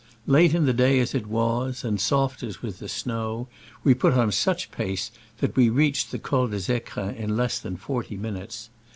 Late in the day as it was, and soft as was the snow, we put on such pace that we reached the Col des £crins in less than forty minutes.